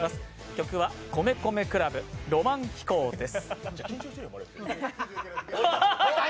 曲は米米ＣＬＵＢ「浪漫飛行」です。